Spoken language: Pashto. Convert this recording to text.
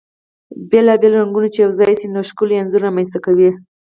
بيلا بيل رنګونه چی يو ځاي شي ، نو ښکلی انځور رامنځته کوي .